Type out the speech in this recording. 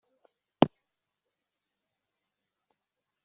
rwanda kuko nta transfert international